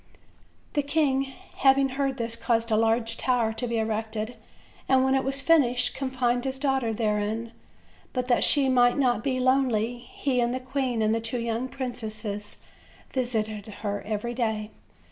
The king having heard this caused a large tower to be erected, and when it was finished confined his daughter therein; but that she might not be lonely, he, the queen and the two young princes visited her every day.